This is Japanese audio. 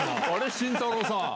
慎太郎さん